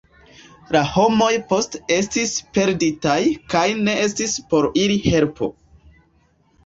La homoj poste estis perditaj kaj ne estis por ili helpo.